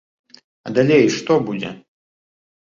А далей што будзе?